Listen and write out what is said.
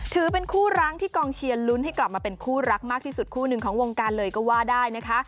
ถือเป็นคู่ร้างที่กองเชียร์ลุ้นให้กลับมาเป็นคู่รักมากที่สุดคู่หนึ่งของวงการเลยก็ว่าได้นะคะ